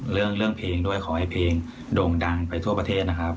เรื่องเพลงด้วยขอให้เพลงโด่งดังไปทั่วประเทศนะครับ